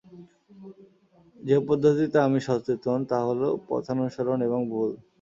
যে পদ্ধতিতে আমি সচেতন, তা হলো পথানুসরণ এবং ভুল!